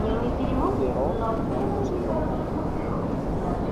Diderot fu molto severo con lui.